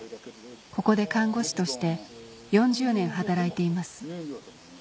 ここで看護師として４０年働いています